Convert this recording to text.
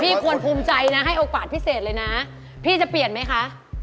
ควรภูมิใจนะให้โอกาสพิเศษเลยนะพี่จะเปลี่ยนไหมคะ